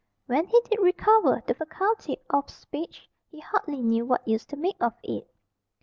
When he did recover the faculty of speech he hardly knew what use to make of it.